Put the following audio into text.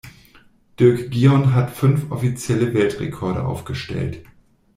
Dirk Gion hat fünf offizielle Weltrekorde aufgestellt.